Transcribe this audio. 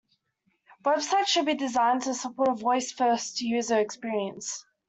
Websites should be designed to support a voice first user experience.